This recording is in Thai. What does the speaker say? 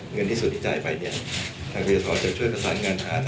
เงินที่สุดที่จ่ายไปทางเรียนสอบจะช่วยกระสานงานธาตุ